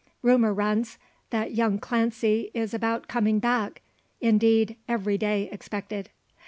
Rumour runs, that young Clancy is about coming back indeed, every day expected.